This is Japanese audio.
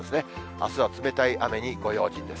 あすは冷たい雨にご用心です。